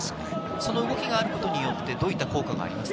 その動きがあることでどういった効果がありますか？